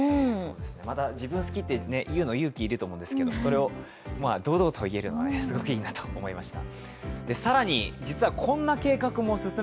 自分好きって言うのは勇気がいると思うんですけどそれを堂々と言えるのはすごくいいなと思いました。